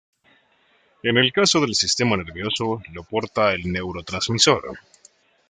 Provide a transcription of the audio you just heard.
En el caso del sistema nervioso, lo porta el neurotransmisor.